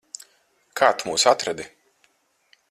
Kā tu mūs atradi?